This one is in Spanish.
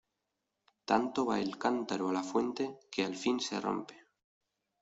Tanto va el cántaro a la fuente que al fin se rompe.